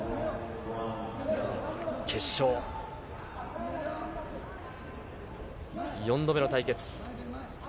決勝、４度目の対決。